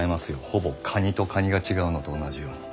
ほぼカニとカニが違うのと同じように。